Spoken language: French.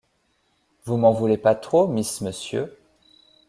Vous m’en voulez pas trop, Miss Monsieur ?